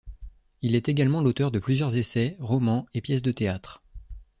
Il est également l'auteur de plusieurs essais, romans et pièces de théâtre.